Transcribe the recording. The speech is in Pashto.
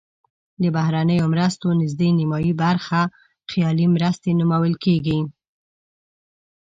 د بهرنیو مرستو نزدې نیمایي برخه خیالي مرستې نومول کیږي.